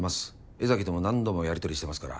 柄崎とも何度もやり取りしてますから。